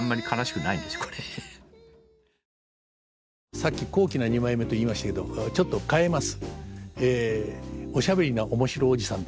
さっき「高貴な二枚目」と言いましたけどちょっと変えます。